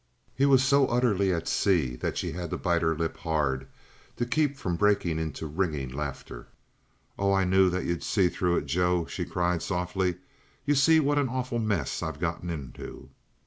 He was so utterly at sea that she had to bite her lip hard to keep from breaking into ringing laughter. "Oh, I knew that you'd seen through it, Joe," she cried softly. "You see what an awful mess I've gotten into?"